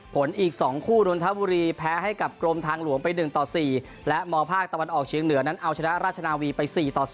ผลอีก๒คู่นทบุรีแพ้ให้กับกรมทางหลวงไป๑ต่อ๔และมภาคตะวันออกเชียงเหนือนั้นเอาชนะราชนาวีไป๔ต่อ๐